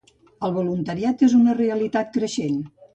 El voluntariat és una realitat creixent.